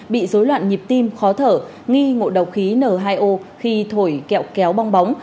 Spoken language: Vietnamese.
bị dối loạn nhịp tim khó thở nghi ngộ độc khí n hai o khi thổi kẹo kéo bong bóng